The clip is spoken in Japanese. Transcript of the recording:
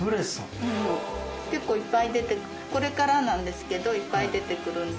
結構いっぱい出てこれからなんですけどいっぱい出てくるんで。